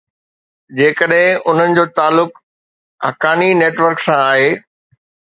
جيڪڏهن انهن جو تعلق حقاني نيٽ ورڪ سان آهي.